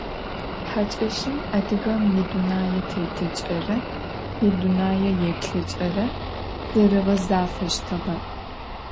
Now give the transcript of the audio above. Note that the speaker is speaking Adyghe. Хьакӏэщым адыгэм идунэететыкӏэрэ идунэееплъыкӏэрэ зэригъэзафэщтыгъэ.